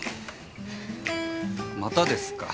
またですか。